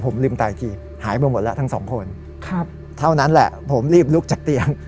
ผมลืมตาอีกทีหายไปหมดแล้วทั้งสองคนเท่านั้นแหละผมรีบลุกจากเตียง